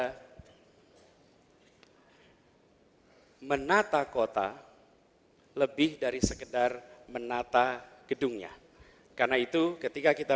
hai menata kota lebih dari sekedar menata gedungnya karena itu ketika kita